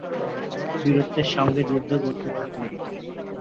বীরত্বের সঙ্গে যুদ্ধ করতে থাকলেন।